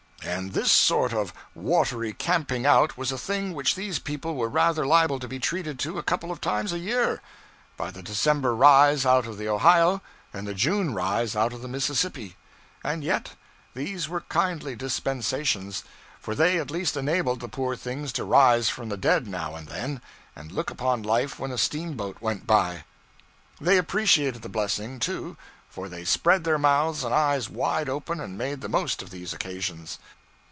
And this sort of watery camping out was a thing which these people were rather liable to be treated to a couple of times a year: by the December rise out of the Ohio, and the June rise out of the Mississippi. And yet these were kindly dispensations, for they at least enabled the poor things to rise from the dead now and then, and look upon life when a steamboat went by. They appreciated the blessing, too, for they spread their mouths and eyes wide open and made the most of these occasions.